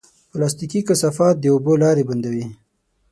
پلاستيکي کثافات د اوبو لارې بندوي.